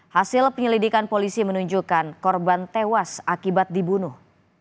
hasil penyelidikan polisi menunjukkan korban tewas akibat dibunuh